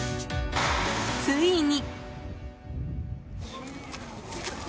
ついに。